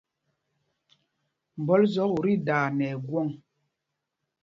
Mbɔl zɔk ú tí daa nɛ ɛgwɔŋ.